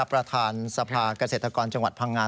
ประธานสภาเกษตรกรจังหวัดพังงา